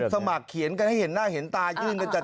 สมัครเขียนกันให้เห็นหน้าเห็นตายื่นกันจัด